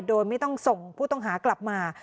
โดยไม่ต้องส่งผู้ต้องหากลับมา